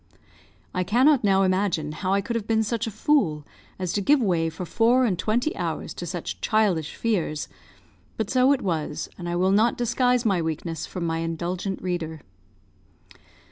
I cannot now imagine how I could have been such a fool as to give way for four and twenty hours to such childish fears; but so it was, and I will not disguise my weakness from my indulgent reader.